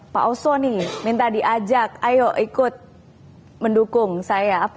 pak oso nih minta diajak ayo ikut mendukung saya